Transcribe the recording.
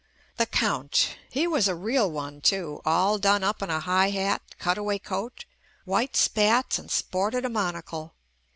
The Count! He was a real one, too, all done up in a high hat, cutaway coat, white spats and sported a monocle.